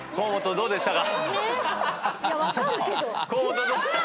どうでしたか？